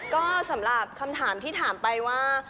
ก็สำหรับคำถามที่ถามไปว่า